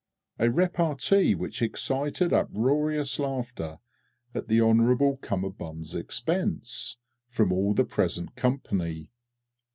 A repartee which excited uproarious laughter (at Hon'ble C.'s expense) from all the present company.